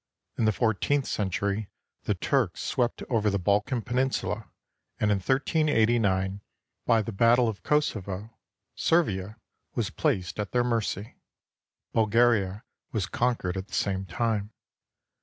In the fourteenth century the Turks swept over the Balkan Peninsula, and in 1389, by the battle of Kos sovo, Servia was placed at their mercy. Bulgaria was con quered at the same time.